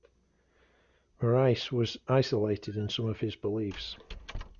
Marais was isolated in some of his beliefs.